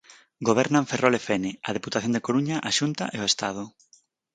Gobernan Ferrol e Fene, a Deputación da Coruña, a Xunta e o Estado.